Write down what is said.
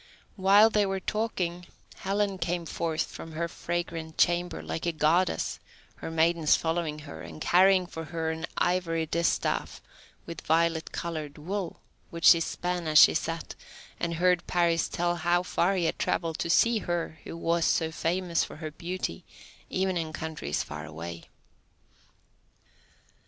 While they were talking, Helen came forth from her fragrant chamber, like a Goddess, her maidens following her, and carrying for her an ivory distaff with violet coloured wool, which she span as she sat, and heard Paris tell how far he had travelled to see her who was so famous for her beauty even in countries far away.